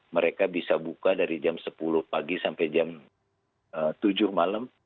mereka bisa buka dari jam sepuluh pagi sampai jam tujuh malam